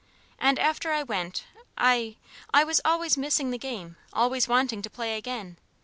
And after I went I I was always missing the game, always wanting to play again.